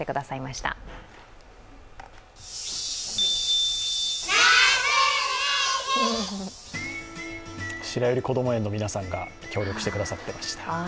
しらゆりこども園の皆さんが協力してくださいました。